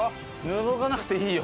のぞかなくていいよ。